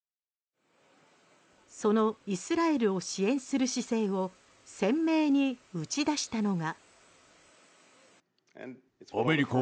そのイスラエルを支援する姿勢を鮮明に打ち出したのが。